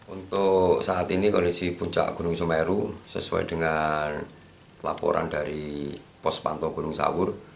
untuk saat ini kondisi puncak gunung semeru sesuai dengan laporan dari pos pantau gunung sawur